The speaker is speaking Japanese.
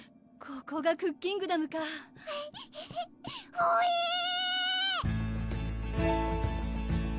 ここがクッキングダムかほええ！